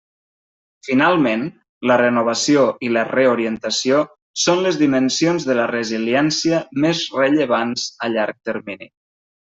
Finalment, la renovació i la reorientació són les dimensions de la resiliència més rellevants a llarg termini.